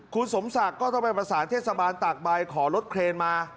คุณสมศักดิ์ก็ต้องไปประสานเทศบาลตากใบขอรถเครนมา